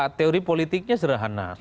ya teori politiknya serahana